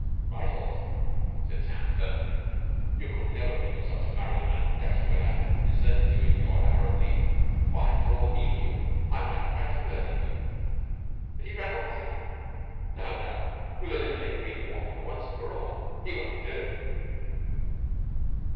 "Right off!" said Sam firmly. "You could never bring yourself to marry a man who dashed away like that and deserted you in your hour of need. Why, for all he knew, I might have tried to murder you. And he ran away! No, no, we eliminate Bream Mortimer once and for all. He won't do!"